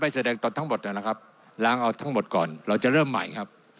แสดงตนทั้งหมดนะครับล้างเอาทั้งหมดก่อนเราจะเริ่มใหม่ครับ